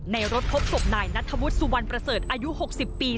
ในรถพบศพนายนัทธวุฒิสุวรรณประเสริฐอายุ๖๐ปี